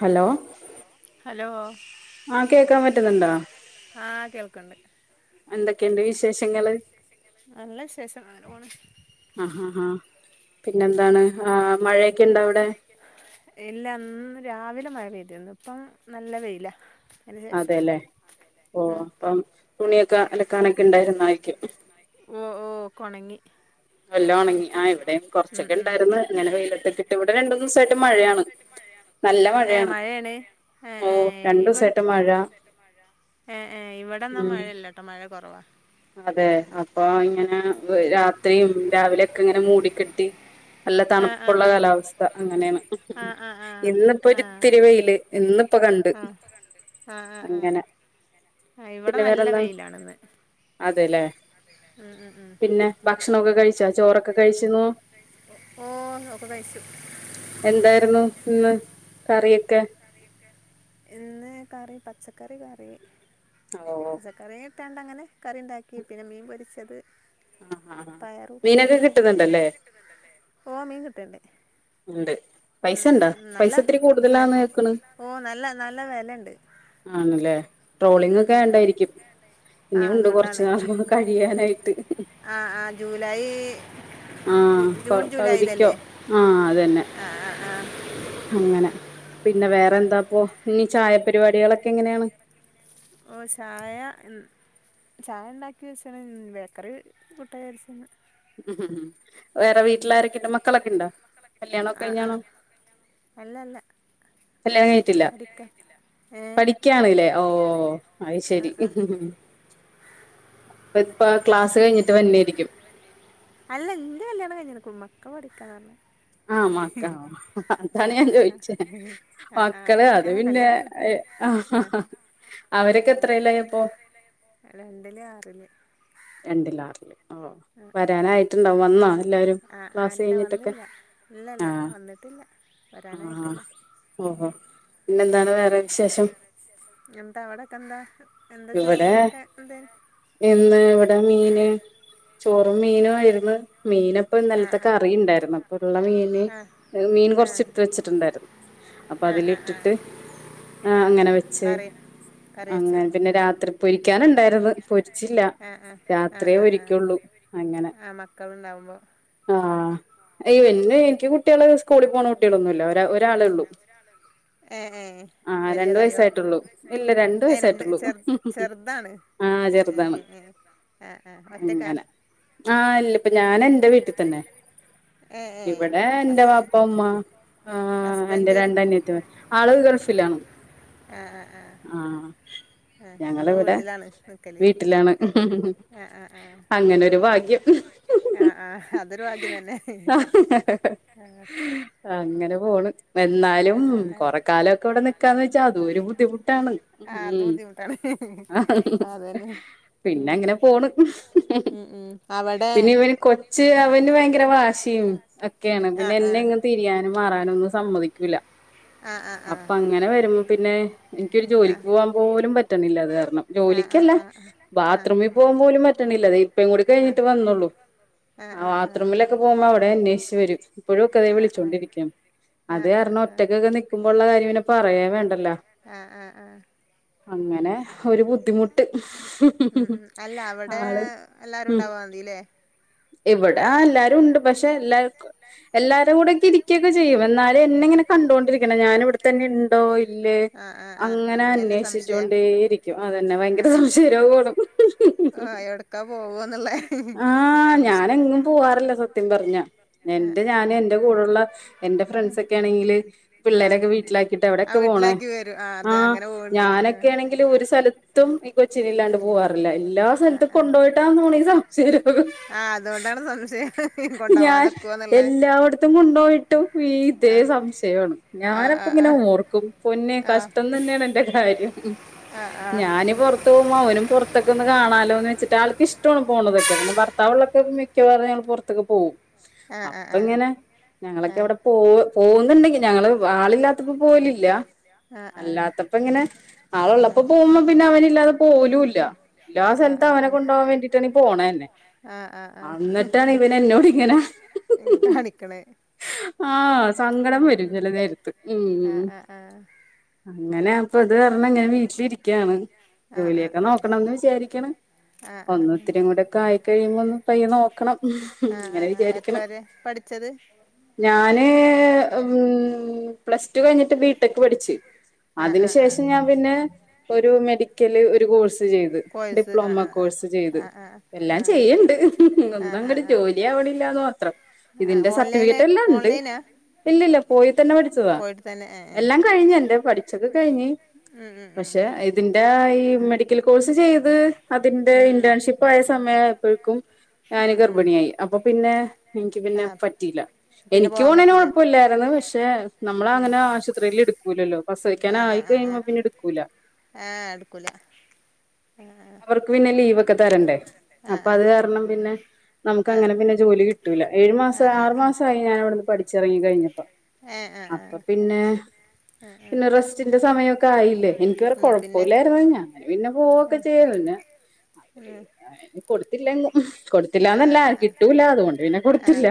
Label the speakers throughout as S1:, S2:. S1: Hello
S2: hello
S1: ആഹ കേക്കാൻ പറ്റുന്നുണ്ടോ എന്തൊ ഒക്കണ്ട് വിശേഷങ്ങള്
S2: നല്ല വിശേഷംഅങ്ങനെ പോണ്
S1: പിന്നെന്താണ്? ആഹ മഴയൊക്കെ ഉണ്ടോഅവിടെ?
S2: വിരുന്ന് ഇപ്പം നല്ല വയിലാ
S1: അതെല്ലേ ഓ അപ്പം തുണിയൊക്കെ അലക്കാനൊക്കെ ഉണ്ടായിരുന്നായിരിക്കും.
S2: ഓ ഓക്ക ഉണങ്ങി
S1: എല്ലാംഉണങ്ങി ആ ഇവിടെയും കൊറച്ചൊക്കെ ഉണ്ടായിരുന്നുന്ന് ഇങ്ങനെ വെയിലത്തിട്ടിട്ട് ഇവിടെ രണ്ട് മുന്ന് ദിവസ യാ
S2: ഏഹ് മഴയാണ് ഇവിടെന്നാ മഴയില്ല കേട്ടോ മഴ കുറവാ
S1: അതെ അപ്പൊ ഇങ്ങനെ രാത്രിയും രാവിലെയൊക്കെ ഇങ്ങനെ മൂടി കെട്ടി നല്ല തണുപ്പുള്ള കാലാവസ്ഥ അങ്ങനെയാണ് ഇന്നിപ്പോ ഒരു ഇത്തിരി വെയില് ഇന്ന്പ്പോകണ്ട് അങ്ങനെ പിന്നെ വേറെന്താ അതെല്ലേ പിന്നെ ഭക്ഷണൊക്കെ കഴി കയിച്ചോചോറൊക്കെ കഴിച്ചിന്നു എന്തായിരുന്നു എന്ന് കറി? ക്കെ
S2: ഇന്ന് കറി പച്ചക്കറി കറീ
S1: ആ ഓ
S2: ട്ടാണ്ട് അങ്ങനെ കറി ഇണ്ടാക്കി. പിന്നെ മീൻ പൊരിച്ചത് പയറ് ഉപ്പേരി ഓ മീൻ കിട്ട്ണ്ട്.
S1: ഇണ്ട്, പൈസ ഇണ്ടോ? പൈസ ഇത്തിരി കൂടുതലാന്ന് കേക്ക്ണ്. ആണ്ലേ ട്രോളിങ് ഒക്കെ ആയൊണ്ടായിരിക്കും ഇനിയുണ്ട് കൊർച്ച് ന്നാള് കഴിയാനായി. [unintelligible] ആ കൊ പകുതിക്കോ ആ അതന്നെ അങ്ങനെ പിന്നെ വേറ എന്താപ്പൊ ഇനി ചായപരിപാടികളൊക്കെ എങ്ങനെയാണ്
S2: ഓ ചായ ചായ ഇണ്ടാക്കി വെച്ച്ണ് ബേക്കറി കൂട്ടചാരിച്ച്ന്
S1: [unintelligible] വേറെ വീട്ടിലാരൊക്കെ ഇണ്ട് മക്കളൊക്കെ ണ്ടോ? കല്യാണ ഒക്കെ കഴിഞ്ഞാണോ? കല്ല്യാണം കഴിഞ്ട്ടില്ല പഠിക്കാണ് ലേ ഓ അത് ശെരി പ്പ ഇപ്പ ക്ലാസ്സ് കഴിഞ്ഞിട്ട് വന്നിരിക്യും
S2: അല്ല ൻന്റെ കല്ല്യാണം കഴിഞ്ഞ്ണ് കും മ്മക്കളെ ഠിക്കാനാ അർഞെ
S1: ആ മക്ക ആ അതാണ് ഞാം ചോയിച്ചെ മക്കള് അത് പിന്നെ എ അ ഹ ഹ അവരൊക്കെ എത്രലായ അപ്പോ രണ്ട്ല് ആറ്ല് ഓ വരാനായിട്ടുണ്ടാവും വന്നൊ എല്ലാരും ക്ലാസ്സ് കഴിഞ്ഞിട്ടൊക്കെ ആ ആഹാ ഓഹോ പിന്നന്താണ് വേം
S2: എന്താ അവിടൊക്കെ എന്താ എന്താ ചോറിനൊക്കെ എന്തേ
S1: വടെ മീന് ചോറും മീനും ആയിര്ന്ന് മീനപ്പം ന്നൽത്തെ കറി ഇണ്ടാര്ന്നു അപ്പൊ ഉള്ള മീന് അത് മീൻ കൊർച്ച് ഇട്ത്ത് വെച്ചിട്ട്ണ്ടാര്ന്നു അപ്പൊ അതില് ഇട്ടിട്ട് അങ്ങനെ വെച്ച് അങ്ങെ പിന്നെ രാത്രിം പൊരിക്കാന്ണ്ടായിര്ന്ന് പൊരിച്ചില്ല രാത്രിയേ ഒരിക്കുള്ളൂ അങ്ങനെ ആ ഇവന്ന് എന്ക്ക് കുട്ടിള് സ്കൂളിൽ പോണ കുട്ടിളൊന്നുല്ല ഒര ഒരാളെള്ളൂ ആ രണ്ട് വയസായിട്ടുള്ളു ഇല്ല രണ്ട് വയസായിട്ടുള്ളൂ [unintelligible] ആ ചെർതാണ് അങ്ങനെ ആ ഇല്ല പ്പ ഞാന് ൻ്റെ വീട്ടിൽ തന്നെ ഇവെടെ ൻ്റെ വാപ്പ ഉമ്മ ആ എന്റെ രണ്ടനിയത്തിള് ആള് ഗൾഫിലാണോ
S2: അ അ ആ ആ അപ്പൊ വീട്ടിലാണ് ന്ന്ക്കല്
S1: മ് മ് അങ്ങന ഒര് ഭാഗ്യം [unintelligible] അങ്ങന പോണ് വെന്നാലും കൊറെ കാല ഒക്കെ ഇവ്ടെ ന്നിക്കാന്ന് വെച്ചാ അതു ഒരു ബുദ്ധിമുട്ടാണ് മ് [unintelligible] പിന്നങ്ങനെ പോണ് പിന്നിവന് കൊച്ച് അവന്ന് ഭയ് ഭയങ്കരവാഷിം ഒക്കെയാണ് പിന്നെ എന്നെ ഇങ്ങങ് തിരിയാനും മാറാനൊന്നും സമ്മതിക്കൂല്ല അപ്പൊഅങ്ങനെ വരുമ്പോപിന്നെ എനിക്കൊരു ജോലിക്ക് പോകാൻ പോലും പറ്റ് ട്ടണില്ലതർ മ് ജോലിക്കല്ല ബാത്റൂമിൽ പോവാൻപോലും പറ്റണില്ല തേ ഇപ്പും കൂടി കഴിഞ്ഞിട്ട് വന്നുള്ളൂ ആ ബാത്റൂമിലൊക്കെ പോകുമ്പോ അവിടെ അന്വേഷിച്ചു വരും ഇപ്പോഴും ഒക്കെ അതെ വിളിച്ചോണ്ടിരിക്കും അത് കാരണം ഒറ്റക്കൊക്കെ നിക്കുമ്പോള്ള കാര്യം പിന്നെ പറയേ വേണ്ടല്ല. അങ്ങനെ ഒരു ബുദ്ധിമുട്ട്.
S2: ഉം ഉം അല്ല അവിടെ എല്ലാരും ഉണ്ടാവാ മതില്ലേ.
S1: ഇവിടെ ആ എല്ലാരും ഉണ്ട് പക്ഷെ എല്ലാർക്കും എല്ലാരും കൂടി അവിടക്കെ ഇരിക്കൊക്കെ ചെയ്യും എന്നാലും എന്നെ ഇങ്ങനെ കണ്ടോണ്ടിരിക്കണം ഞാൻ ഇവിടെത്തന്നെ ഉണ്ടോ ഇല്ലേ അങ്ങനെ അന്വേഷിച്ചോണ്ടേരിക്കും അതന്നെ ഭയങ്കര സംശയരോഗാണു.
S2: ആഹ് ഏടക്കാ പോവാന്നുള്ള സംശയാ
S1: [unintelligible] പറഞ്ഞ എന്റെ ഞാന് എന്റെ കൂടെള്ള എന്റെ ഫ്രണ്ട്സൊക്കേണെങ്കില് പിള്ളേരൊക്കെ വീട്ടിലാക്കിട്ട് എവിടൊക്കെ പോണെ. ആഹ് ഞാനൊക്കേണെങ്കില് ഒരു സ്ഥലത്തും ഈ കൊച്ചിനില്ലാണ്ട് പോവാറ് എല്ലാ സ്ഥലത്തും കൊണ്ടോയിട്ടാ [unintelligible]
S2: ആഹ് അതോണ്ടാണ് സംശയം.
S1: ഞാൻ എല്ലാവ്ട്ത്തും കൊണ്ടോയിട്ടും ഇതേ സംശയാണ്. ഞാനപ്പങ്ങനെ ഓർക്കും പൊന്നെ കഷ്ടം തന്ന്യാണെന്റെ കാര്യം. ഉംഹ് ഞാന് പൊർത്ത് പോവുമ്പ അവനും പൊർത്തൊക്കൊന്ന് കാണാലോന്ന് വെച്ചിട് ണ്ടാൾക്കിഷ്ടാണ് പോണതൊക്കെ പിന്നെ ഭർത്താവിളളപ്പോക്കെ മിക്കവാറും ഞങ്ങ പൊർ ത്ത്ക്ക്പോവും അപ്പങ്ങനെ ഞങ്ങളൊക്കെ അവടെ പോവ് പോവുന്നുണ്ടെങ്കി ഞങ്ങള് ആളില്ലാത്തപ്പോ പോവലില്ല. അല്ലാത്തപ്പങ്ങനെ ആളുള്ളപ്പോ പോവുമ്പ പിന്നെ അവനില്ലാതെ പോലൂല്ല എല്ലാ സ്ഥലത്ത് അവനെ കൊണ്ടോവ വേണ്ടിട്ടാണ് പോണന്നെ. അന്ന് ട്ടാണെ
S2: കാണിക്കണേ
S1: ആ സങ്കടം വരും ചില നേരത്ത് ഉം ങ്ങനെ ഇപ്പ ഇത് അറഞ്ഞാ ഇങ്ങനെ വീട്ടിലിരിക്കാണ് ജോലിയൊക്കെ നോക്കണെന്ന് വിചാരിക്ക്ണ് ഒന്നിത്തിരിയും കൂടെക്കായി കഴിയുമ്പോന്ന് പയ്യെ നോ അങ്ങനെ വിചാരിക്കണം ഞാന് ഉം ഉം പ്ലസ് റ്റു കഴിഞ്ഞിട്ട് ബിടെക് പഠിച്ച് അതിന് ശേഷം ഞാൻ പിന്നെ ഒരു മെഡിക്കല് ഒരു കോഴ്സ് ചെയ്ത് ഡിപ്ലോമ കോഴ്സ് ചെയ്ത് എല്ലാം ചെയ്യ്‌ണ്ട് ന്നങ്ങ്ട് ജോലി ആവണില്ലാന്ന് മാത്രം ഇതിന്റെ സർട്ടിഫിക്കറ്റെല്ലാണ്ട് ഇല്ലില്ല പോയി തന്നെ പഠിച്ചതാ എല്ലാം കഴിഞ്ഞ് എന്താ പഠിച്ചൊക്കെ കഴിഞ്ഞ്
S2: ഉം ഉം ഉം ഉം
S1: ആ ഈ മെഡിക്കൽ കോഴ്സ് ചെയ്ത് അതിന്റെ ഇന്റേൺഷിപ്പ് ആയ സമയമായപ്പോഴക്കും ഞാന് ഗർഭിണിയായി അപ്പൊ പിന്നെ എനിക്ക് പിന്നെ പറ്റിയില്ല എനക്ക്പോണേന് കൊഴപ്പില്ലായിരുന്നു പക്ഷെ നമ്മള അങ്ങനെ ആശുപത്രിയിൽ എടുക്കൂലല്ലോ പസവിക്കാനായി കഴിയുമ്പോ പിന്നെ എടുക്കൂല പിന്നെ ലീവൊക്കെ തരണ്ടേ അപ്പൊ അത് കാരണം പിന്നെ നമുക്ക് അങ്ങനെ പിന്നെ ജോലി കിട്ടൂല്ല ഏഴു മാസം ആറു മാസയി ഞനവിടുന്ന് പഠിച്ചിറങ്ങി കഴിഞ്ഞപ്പ അപ്പൊ പിന്നെ പിന്നെ റെസ്റ്റിന്റെ സമയൊക്കെ ആയില്ലേ എനക്ക് വേറെ കൊഴപ്പില്ലായിരുന്നു അങ്ങനെ പിന്നെ പോ [unintelligible] [unintelligible] കൊടുത്തില്ലല്ലോ കൊടുത്തില്ലന്നല്ല കിട്ടൂല അതുകൊണ്ട് പിന്നെ കൊടുത്തില്ല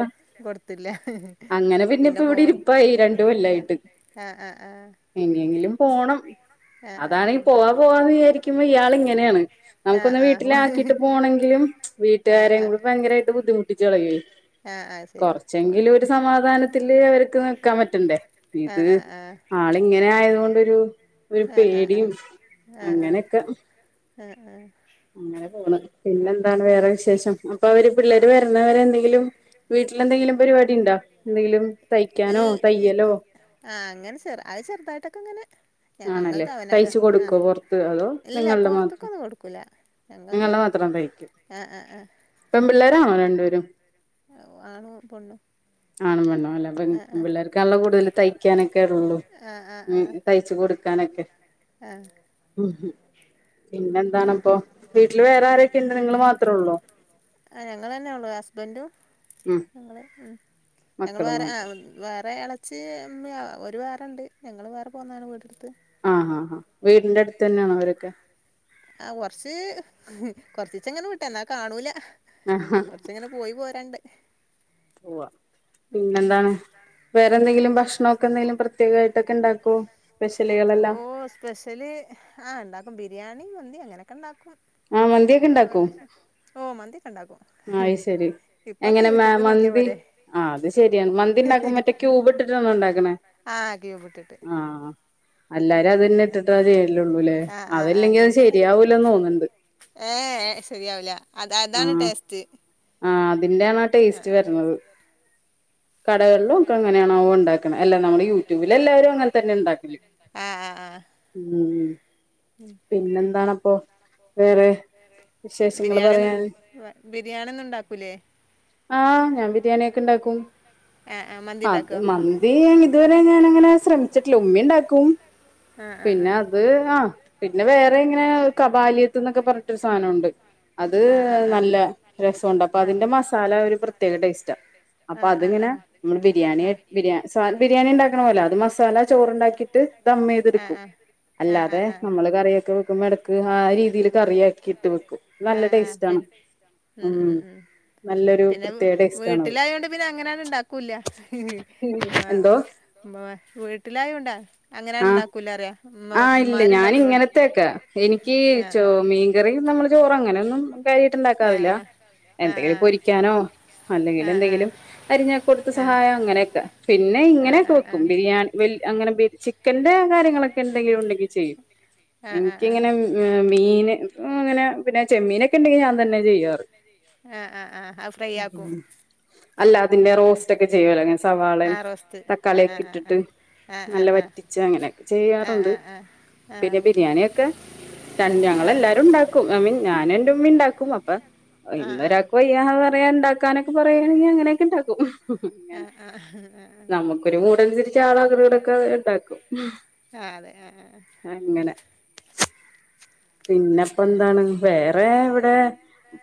S1: അങ്ങനെ പിന്നെപ്പ ഇവിടെ ഇരിപ്പായി രണ്ട് കൊല്ലായിട്ട് ഇനി എങ്കിലും പോണം. അതാണെങ്കി പോവാ പോവാന്ന് വിചാരിക്ക്പോ ഇയാള് [unintelligible] നമുക്കൊന്ന് വീട്ടിലാക്കിട്ട് പോണെങ്കിലും വീട്ടുകാരെയും കൂടി ഭയങ്കരമായിട്ട് ബുദ്ധിമു ട്ടിച്ചളയോയ് കൊറച്ചെങ്കിലും ഒരു സമാധാനത്തില് അവർക്ക് നിക്കാൻ പറ്റണ്ടേ ഇത് ആളിങ്ങനെ ആയത് അതുകൊണ്ടരു ഒരു പേടിയും അങ്ങനെയൊക്കെ
S2: ആ ആ
S1: അങ്ങനെ പോണ് പിന്നെന്താണ് വേറെ വിശേഷം അപ്പൊ അവര് പിള്ളേര് വരുന്നവരെ എന്തെങ്കിലും വീട്ടിലെന്തെങ്കിലും പരിപാടി ഉണ്ടോ എന്തെങ്കിലും തയ്ക്കാനോ തയ്യലോ
S2: ആ അങ്ങനെ ചെറു അത് ചെറുതായിട്ടൊക്കെ ഇങ്ങനെ
S1: ആണല്ലേ തയ്ച്ചു കൊടുക്കുവോ പുറത്ത് അതോ നിങ്ങളുടെ മാത്രം നിങ്ങളുടെ മാത്ര ത്രം തയ്ക്കും [unintelligible]
S2: ആണും പെണ്ണും
S1: ആണുപെണ്ണും അല്ല പെൺള്ളേർക്കാണെല്ലോ കൂടുതലൽ തയ്ക്കാനൊക്കെ ഉള്ളു ഉം തയ്ച്ചെ കൊടുക്കാനൊക്കെ ഉം പിന്നെന്താണിപ്പൊ വീട്ടില് വേറെ ആരൊക്കെ ഉണ്ട് നിങ്ങളു മാത്രേ ഒള്ളോ
S2: ഞങ്ങള് ഉം ഞങ്ങൾ വേറെ ആ വേറെ ആളെ ചെമ്യ ഒരു വേറെണ്ട് ഞങ്ങൾ വേറെ പോകുന്നതാണ് വീടെടുത്ത്
S1: ആ ആ ആ
S2: ആ കൊർശ്ശേ കൊറച്ചിച്ചിങ്ങന വിട്ട എന്നാ കാണൂല കൊറച്ചിങ്ങനെ പോയി പോരാണ്ട്
S1: ഓ പിന്നെന്താണ് വേറെന്തെങ്കിലും ഭക്ഷണൊക്കെ എന്തെങ്കിലും പ്രത്യേകായിട്ടൊക്കെ ഉണ്ടാപെഷ്യലു കളെല്ലാം
S2: പഷേലെ ആ ഒണ്ടാക്കും ബിരിയാണി മുന്തി അങ്ങനെയൊക്കെ ഉണ്ടാക്കും
S1: ആ മന്തിയൊക്കെ ഇണ്ടാക്കും അയ് ശരി എങ്ങനെ മമന്തി ആ അത് ശരിയാണ് മന്തി ഉണ്ടാക്കുമ്പ മറ്റേ ക്യൂബ ഇട്ടിട്ടാണോ ഇണ്ടാക്കണേ ആ
S2: ആ ആ ആ ക്യുബിടെ ട്ട ഏഏ ശരിയാവില്ല
S1: ആ അതിന്റെയാണാ ടേസ്റ്റ് വരുന്നത് കടകളിലും ഒക്കെ അങ്ങനെയാണാ വോ ഉണ്ടാക്കണ അല്ലേ നമ്മള് യൂട്യൂബിൽ എല്ലാവരും അങ്ങനെ തന്നെ ഉണ്ടാക്കലെ ഉ പിന്നെന്താണ് ഓ വേറെ വിശേഷങ്ങളെ പറയാൻ
S2: ബിരിയാണി ഒന്നും ഉണ്ടാക്കൂലേ
S1: ആ ഞാൻ ബിരിയാണിയൊക്കെ ഇണ്ടാക്കും അത് മന്തി അങ്ങി ഇതുവരെ ഞാനങ്ങനെ ശ്രമിച്ചിട്ടില്ല ഉമ്മ ഉണ്ടാക്കും പിന്നെ അത് ആ പിന്നെ വേറെ ഇങ്ങനെ കപാലി എന്തോന്നൊക്കെ പറഞ്ഞിട്ടൊരു സാധനുണ്ട് അത് നല്ല രസോണ്ട് അപ്പ അതിന്റെ മസാല ഒരു പ്രത്യേക ടേസ്റ്റാ അപ്പ അതിങ്ങനെ നമ്മ ബിയാണ ബിരിയാണി ഉണ്ടാക്കണ പോല അത് മസാല ചോറുണ്ടാക്കീട്ടെ ദം ചെയ്തെടുക്കും അല്ലാതെ നമ്മള് കറി വയ്ക്കുമ്പം ഒക്കെ ഇടയ്ക്കെ രീതിൽ കറിയാക്കിട്ട് വെക്കും നല്ല ടേസ്റ്റ്
S2: പി ഉം ഉം ഉം പിന്നെ വീട്ടിലായോണ്ട് പിന്നെ അങ്ങനന്നും ഉണ്ടാക്കൂല്ല വീട്ടിലായ ഉണ്ടാ
S1: ആ ആഹ് ഇല്ല ഞാന് ഇങ്ങനത്തൊക്കെ എനിക്ക് ചോ മീൻകറി നമ്മള് ചോറ് അങ്ങനൊന്നും കാര്യയിട്ടുണ്ടാക്കാറില്ല എന്തെങ്കിലും പൊരിക്കാനോ അല്ലെങ്കിൽ എന്തെങ്കിലും അരിഞ്ഞൊ കൊടുത്ത സഹായം അങ്ങനെയൊക്കെ പിന്നെ ഇങ്ങനെ തോക്കും ബിരിയാണി വ അങ്ങനെ ബി ചി ക്കന്റെ കാര്യങ്ങളൊക്കെ എന്തെങ്കിലും ഉണ്ടെങ്കിൽ ചെയ്യും എനിക്കിങ്ങനെ മീന് അങ്ങനെ പിന്നെ ചെമ്മീനൊക്കെ ഉണ്ടെങ്കി ഞാൻ തന്നെ ചെയ്യാറ്
S2: ആഹ് ആഹ് ആഹ് അ ഫ്രൈ ആക്കും ആ ആ റോസ്റ്റ് ആ ആ ആ ആ ആ
S1: ചങ്ങന ചെയ്യാറുണ്ട് പിന്നെ ബിരിയാണിക്കെ രണ്ട് ഞങ്ങള എല്ലാരും ഉണ്ടാക്കും അ മീൻ ഞാന് മ്മിണ്ടാക്കും അപ്പ ഇന്ന് ഒരാക്ക വയ്യ പറ വേണ്ടാ കാനൊക്കെ പറയയാണെങ്കിൽ അങ്ങനെയൊക്കെ ഉണ്ടാക്കും അങ്ങനെ നമുക്കൊരു മൂടനുസരിച്ച് ആളകൃടൊക്കെ ഉണ്ടാക്കും
S2: ആ അതെ ആ
S1: പിന്നെപ്പ എന്താണ് വേറെ ഇവിടെ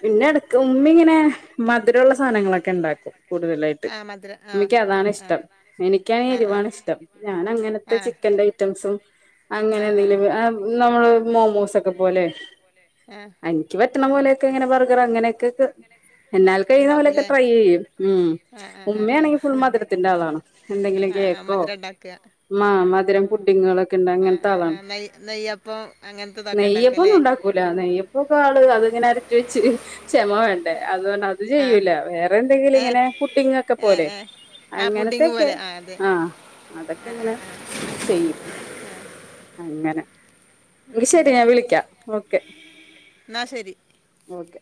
S1: പിന്നെ കുമ്മി ഇങ്ങനെ മധുരമുള്ള സാധനങ്ങളൊക്കെ ഉണ്ടാക്കും കൂടുതലായിട്ട് ഉമ്മക്ക് അതാണ് ഇഷ്ടം എനിക്കാണ് എരിവാണ് ഇഷ്ടം ഞാൻ അങ്ങനത്തെ ചിക്കന്റെ ഐറ്റംസും അങ്ങനെ എന്തെങ്കിലും നമ്മള് മോമോസ് അതുപോലെ എനിക്ക് പറ്റണ പോലെയക്കെ ഇങ്ങനെ ബർഗർ അങ്ങനെയൊക്കെ എന്നാൽ കഴിയുന്ന പോലെയൊക്കെ ട്രൈ ചെയ്യും ഉം ഉമ്മയാണെങ്കിൽ ഫുൾ മധുരത്തിന്റെ ആളാണ് എന്തെങ്കിലും കേക്കോ മ മധുരം പുഡിങ്ങുകളൊക്കെ ഉണ്ട അങ്ങനത്തെ ആളാണ് നെയ്യപ്പൊന്നും ഉണ്ടാക്കൂല നെയ്യപ്പ ഒക്കെ ആള് അതിങ്ങനെ അരച്ച വെച്ച് ക്ഷമ വേണ്ട ണ്ടേ അതുകൊണ്ട് അത് ചെയ്യൂല വേറെ എന്തെങ്കിലും ഇങ്ങനെ ഫുഡിങ്ങക്കെ പോലെ അങ്ങനത്തെക്കെ ആ അതൊക്കെ ഇങ്ങനെ ചെയ്യും അങ്ങനെ
S2: ഉം ഉം
S1: ഞ വിളിക്കാം ഓക്കെ ഓക്കെ